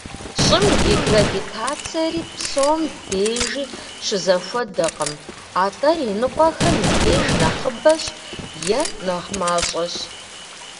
Щӏым и гравитацэри псом дежи щызэхуэдэкъым, атӏэ иныкъуэхэм и деж нэхъыбэщ е нэхъ мащӏэщ.